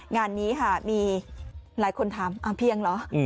งานนี้มีหลายคนถามอำเภียงหรอ